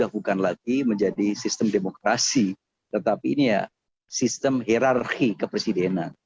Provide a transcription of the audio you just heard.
bukan lagi menjadi sistem demokrasi tetapi ini ya sistem hirarki kepresidenan